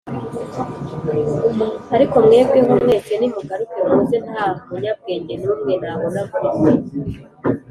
ariko mwebweho mwese nimugaruke muze, nta munyabwenge n’umwe nabona muri mwe